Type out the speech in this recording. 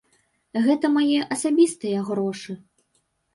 Гэта мае асабістыя грошы.